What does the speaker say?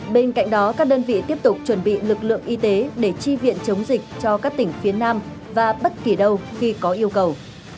bên cạnh đó các đơn vị tiếp tục chuẩn bị lực lượng y tế để chi viện chống dịch cho các tỉnh phía nam và bất kỳ đâu khi có yêu cầu